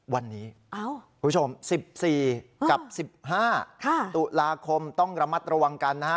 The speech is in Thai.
วันนี้อ้าวคุณผู้ชมสิบสี่กับสิบห้าค่ะตุลาคมต้องระมัดระวังกันนะฮะ